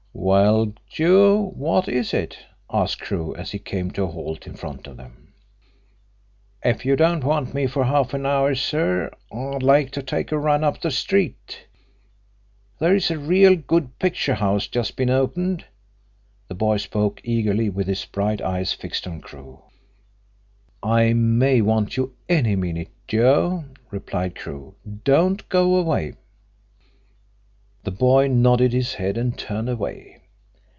"Well, Joe, what is it?" asked Crewe, as he came to a halt in front of them. "If you don't want me for half an hour, sir, I'd like to take a run up the street. There is a real good picture house just been opened." The boy spoke eagerly, with his bright eyes fixed on Crewe. "I may want you any minute, Joe," replied Crewe. "Don't go away." The boy nodded his head, and turned away.